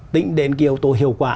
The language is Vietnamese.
tính đến kiểu tổ hiệu quả